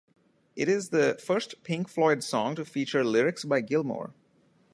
It is the first Pink Floyd song to feature lyrics by Gilmour.